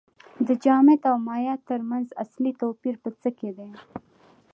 د جامد او مایع ترمنځ اصلي توپیر په څه کې دی